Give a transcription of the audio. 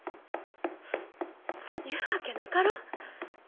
言うわけなかろ？